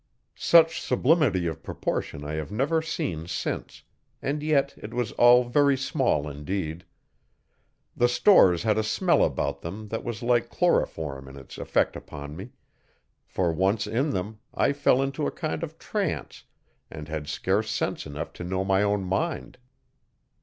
Such sublimity of proportion I have never seen since; and yet it was all very small indeed. The stores had a smell about them that was like chloroform in its effect upon me; for, once in them, I fell into a kind of trance and had scarce sense enough to know my own mind.